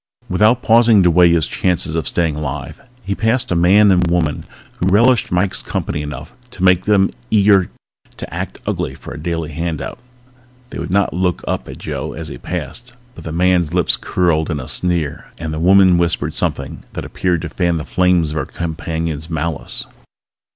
Without pausing to weigh his chances of staying alive he passed a man and a woman who relished Mike's company enough to make them eager to act ugly for a daily handout. They did not look up at Joe as he passed but the man's lips curled in a sneer and the woman whispered something that appeared to fan the flames of her companion's malice.